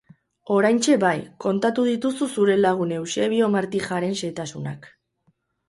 Oraintxe bai, kontatu dituzu zure lagun Eusebio Martijaren xehetasunak...